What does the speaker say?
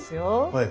はい。